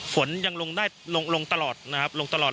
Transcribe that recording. ฝนยังลงได้ลงตลอดนะครับลงตลอด